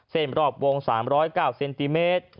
รอบวง๓๐๙เซนติเมตร